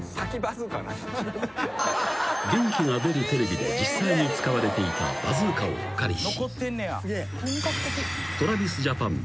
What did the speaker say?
［『元気が出るテレビ！！』で実際に使われていたバズーカをお借りし］